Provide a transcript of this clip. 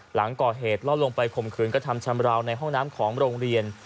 หลังก่อเหตุล่อลงไปข่มขืนกระทำชำราวในห้องน้ำของโรงเรียน